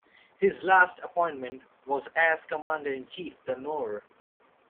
His last appointment was as Commander-in-Chief, The Nore.